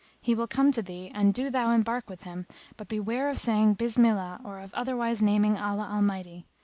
He will come to thee and do thou embark with him but beware of saying Bismillah or of otherwise naming Allah Almighty.